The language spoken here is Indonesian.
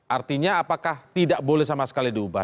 artinya apakah tidak boleh sama sekali diubah